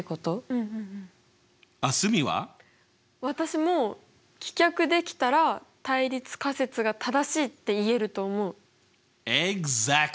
私も棄却できたら対立仮説が正しいって言えると思う。